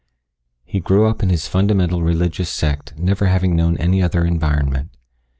He grew up in his fundamental, religious sect having never known any other environment.